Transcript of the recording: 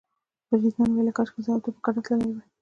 بریدمن وویل کاشکې زه او ته په ګډه تللي وای.